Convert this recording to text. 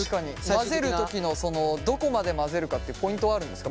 混ぜる時のどこまで混ぜるかってポイントはあるんですか？